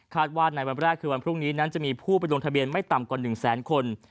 ว่าในวันแรกคือวันพรุ่งนี้นั้นจะมีผู้ไปลงทะเบียนไม่ต่ำกว่า๑แสนคน